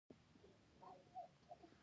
راکټ د سیارویو معلومات راوړي